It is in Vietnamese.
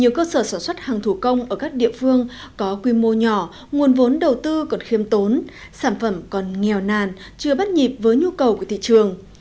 nhiều cơ sở sản xuất hàng thủ công ở các địa phương có quy mô nhỏ nguồn vốn đầu tư còn khiêm tốn sản phẩm còn nghèo nàn chưa bắt nhịp với nhu cầu của thị trường